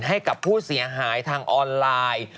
ให้กับผู้เสียหายทางออนไลน์